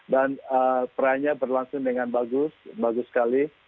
dan perannya berlangsung dengan bagus bagus sekali